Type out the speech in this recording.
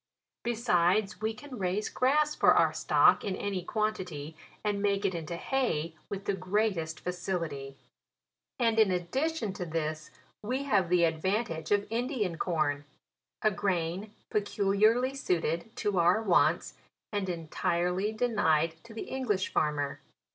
Besides, we can raise grass for our stock in any quantity, and make it into hay with the greatest facility ; and in addition to this we have the advantage of Indian corn, a grain peculiarly suited to our wants, and entirely denied to the English farmer.